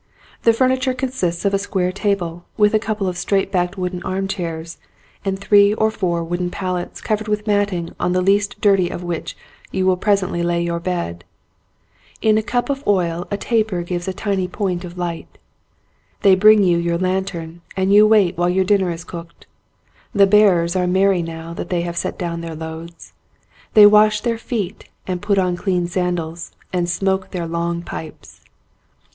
The furni ture consists of a square table, with a couple of straight backed wooden arm chairs, and three or 41 ON A CHINESE SCEEEN four wooden pallets covered with matting on the least dirty of which you will presently lay your bed. In a cup of oil a taper gives a tiny point of light. They bring you your lantern and you wait while your dinner is cooked. The bearers are merry now that they have set down their loads. They wash their feet and put on clean sandals and smoke their long pipes.